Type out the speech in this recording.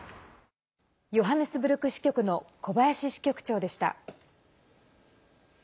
ヨハネスブルク支局の小林支局長でした。